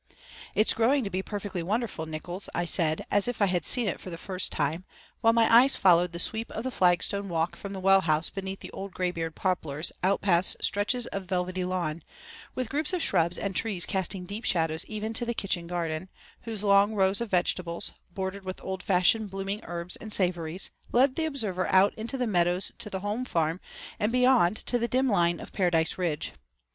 "It is growing to be perfectly wonderful, Nickols," I said, as if I had seen it for the first time, while my eyes followed the sweep of the flagstone walk from the well house beneath the old graybeard poplars out past stretches of velvety lawn, with groups of shrubs and trees casting deep shadows even to the kitchen garden, whose long rows of vegetables, bordered with old fashioned blooming herbs and savories, led the observer out into the meadows to the Home Farm and beyond to the dim line of Paradise Ridge.